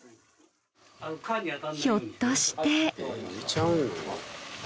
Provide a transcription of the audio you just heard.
ひょっとして。